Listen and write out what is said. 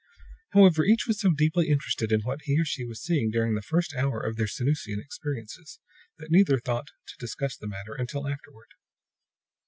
However, each was so deeply interested in what he or she was seeing during the first hour of their Sanusian experiences that neither thought to discuss the matter until afterward.